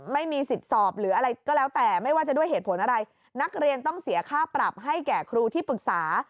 ไม่มีสิทธิ์สอบหรืออะไรก็แล้วแต่ไม่ว่าจะด้วยเหตุผลอะไรนักเรียนต้องเสียค่าปรับให้แก่ครูที่ปรึกษา